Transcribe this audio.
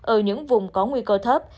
ở những vùng có nguy cơ thấp